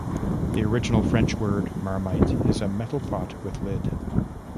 The original French word "marmite" is a metal pot with lid.